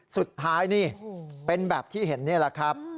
สุดท้ายนี่เป็นแบบที่เห็นนี่แหละครับ